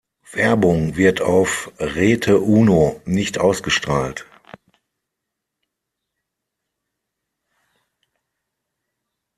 Werbung wird auf Rete Uno nicht ausgestrahlt.